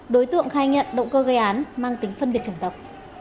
đối tượng khai nhận động cơ gây án mang tính phân biệt chủng tộc